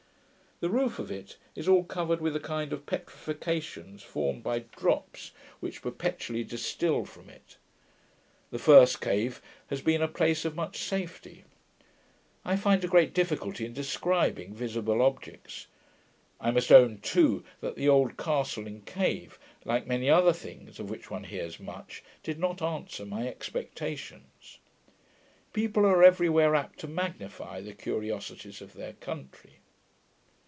The roof of it is all covered with a kind of petrifications formed by drops, which perpetually distil from it. The first cave has been a place of much safety. I find a great difficulty in describing visible objects. I must own too that the old castle and cave, like many other things, of which one hears much, did not answer my expectations. People are every where apt to magnify the curiosities of their country.